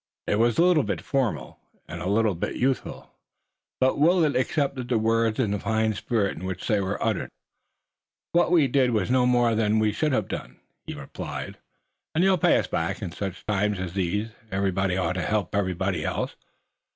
It was a little bit formal, and a little bit youthful, but Willet accepted the words in the fine spirit in which they were uttered. "What we did was no more than we should have done," he replied, "and you'll pay us back. In such times as these everybody ought to help everybody else.